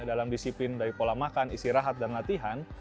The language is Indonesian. dalam disiplin dari pola makan istirahat dan latihan